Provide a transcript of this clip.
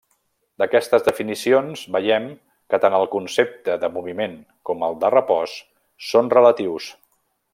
D'aquestes definicions, veiem que tant el concepte de moviment com el de repòs són relatius.